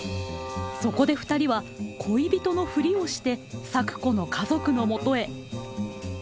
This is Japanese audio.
そこでふたりは恋人のフリをして咲子の家族のもとへ。